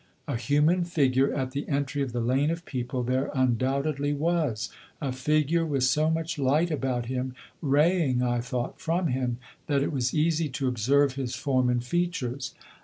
A human figure at the entry of the lane of people there undoubtedly was, a figure with so much light about him, raying (I thought) from him, that it was easy to observe his form and features.